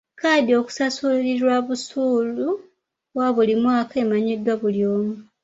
Kkaadi okusasulirwa busuulu wa buli mwaka emanyiddwa buli omu.